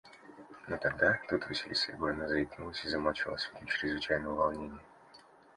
– Ну, тогда… – Тут Василиса Егоровна заикнулась и замолчала с видом чрезвычайного волнения.